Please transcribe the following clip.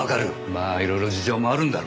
まあいろいろ事情もあるんだろう。